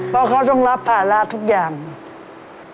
เพราะเขาต้องรับภาระทุกอย่าง